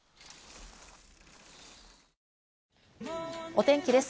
お天気です。